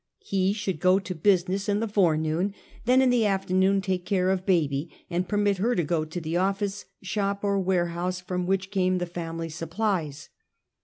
He should go to business in the forenoon, then in the afternoon take care of baby and permit her to go to the office, shop or warehouse from which came the family supplies.